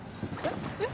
えっ？